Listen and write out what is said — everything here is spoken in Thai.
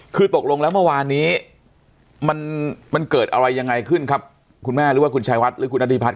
คือตกลงแล้วเมื่อวานนี้มันเกิดอะไรยังไงขึ้นครับคุณแม่หรือว่าคุณชายวัดหรือคุณนัทธิพัฒ